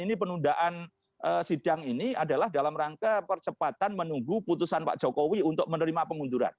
ini penundaan sidang ini adalah dalam rangka percepatan menunggu putusan pak jokowi untuk menerima pengunduran